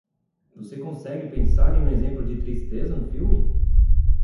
Você consegue pensar em um exemplo de tristeza no filme?